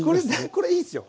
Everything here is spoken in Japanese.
これいいっすよ。